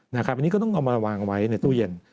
อันนี้ก็ต้องเอามาวางไว้ในตู้เย็น